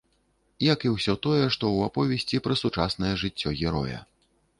Як і ўсё тое, што ў аповесці пра сучаснае жыццё героя.